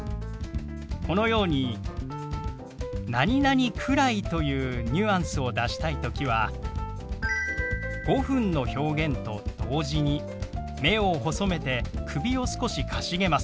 このように「くらい」というニュアンスを出したい時は「５分」の表現と同時に目を細めて首を少しかしげます。